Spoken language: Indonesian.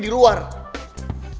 kamu mau main mah